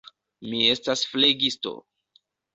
Mi estas flegisto.